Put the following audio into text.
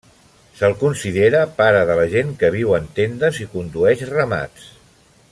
Se'l considera pare de la gent que viu en tendes i condueix ramats.